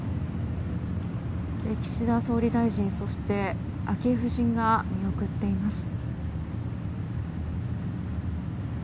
岸田総理大臣、そして昭恵夫人が見送っています。